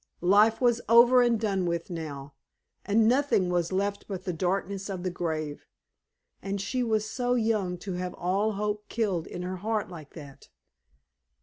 Life was over and done with now, and nothing was left but the darkness of the grave. And she was so young to have all hope killed in her heart like that!